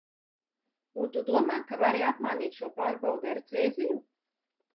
Un tu domā, ka vari apmānīt šo pārbaudi ar cēziju?